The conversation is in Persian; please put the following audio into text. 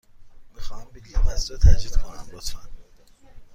می خواهم بلیط فصلی را تجدید کنم، لطفاً.